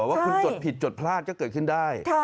ว่าคุณจดผิดจดพลาดก็เกิดขึ้นได้